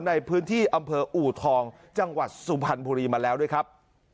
ในพื้นที่อำเภออูทองจังหวัดสุพรรณบุรีมาแล้วด้วยครับ